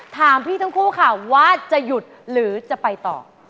ถามพี่ทั้งคู่ค่ะว่าจะหยุดหรือจะไปต่อ